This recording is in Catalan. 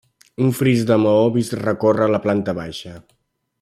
Un fris de maó vist recorre la planta baixa.